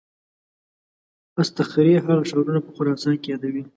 اصطخري هغه ښارونه په خراسان کې یادوي.